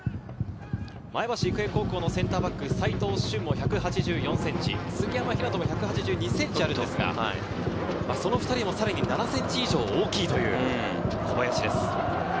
前橋育英高校のセンターバック・齋藤駿も１８４ｃｍ、杉山大翔も１８２ｃｍあるんですが、さらに７ｃｍ以上大きいという小林です。